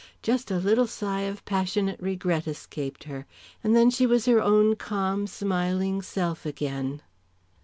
Just a little sigh of passionate regret escaped her, and then she was her own calm smiling self again.